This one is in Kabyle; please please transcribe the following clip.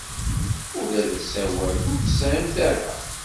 Ula d asawal ur t-tesɛimt ara.